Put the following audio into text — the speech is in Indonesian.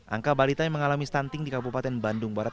angka balita yang mengalami stunting di kabupaten bandung barat